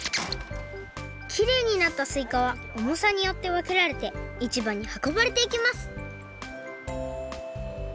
きれいになったすいかはおもさによってわけられていちばにはこばれていきます